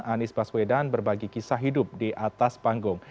anies baswedan berbagi kisah hidup di atas panggung